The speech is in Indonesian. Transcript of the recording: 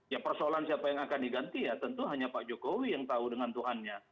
ya persoalan siapa yang akan diganti ya tentu hanya pak jokowi yang tahu dengan tuhannya